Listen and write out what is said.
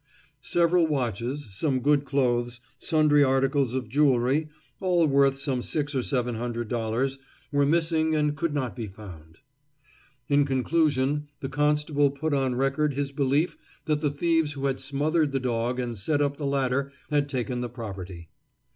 Several watches, some good clothes, sundry articles of jewelry, all worth some six or seven hundred dollars, were missing and could not be found. In conclusion, the constable put on record his belief that the thieves who had smothered the dog and set up the ladder had taken the property.